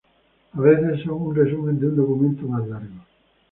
A veces son un resumen de un documento más largo.